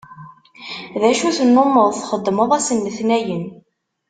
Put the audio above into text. D acu tennumeḍ txeddmeḍ ass n letnayen?